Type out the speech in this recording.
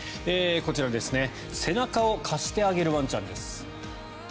こちら、背中を貸してあげるワンちゃんです。